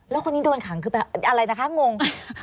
แล้วคนนี้โดนขังคือแบบอะไรนะคะงง